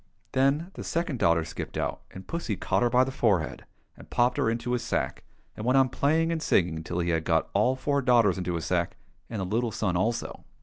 Then the second daughter skipped out, and pussy caught her by the forehead, and popped her into his sack, and went on playing and singing till he had got all four daughters into his sack, and the little son also.